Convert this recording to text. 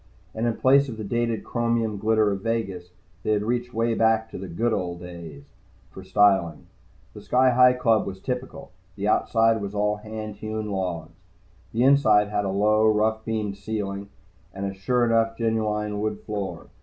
And in place of the dated chromium glitter of Vegas, they had reached way back to the "Good old days" for styling. The Sky Hi Club was typical. The outside was all hand hewn logs. The inside had a low, rough beamed ceiling, and a sure enough genuine wood floor.